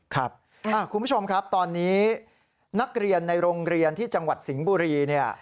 คุณผู้ชมครับตอนนี้นักเรียนในโรงเรียนที่จังหวัดสิงห์บุรีเนี่ย